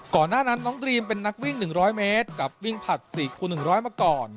ก่อนหน้านั้นน้องดรีมเป็นนักวิ่ง๑๐๐เมตรกลับวิ่งผลัดศีรภูมิ๑๐๐เมื่อก่อน